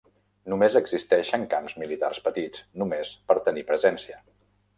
Només existeixen camps militars petits, només per tenir presència.